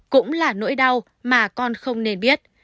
cũng là nỗi đau mà con không nên biết